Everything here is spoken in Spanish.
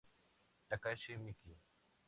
Takashi Miki